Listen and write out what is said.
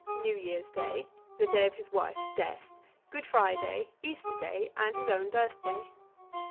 New year's day, the day of his wife's death, Good Friday, Easter day, and his own birth day.